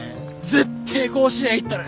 絶対甲子園行ったる！